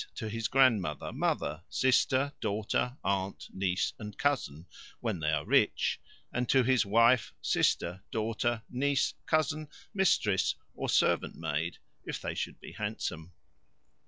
to his grandmother, mother, sister, daughter, aunt, niece, or cousin, when they are rich; and to his wife, sister, daughter, niece, cousin, mistress, or servant maid, if they should be handsome.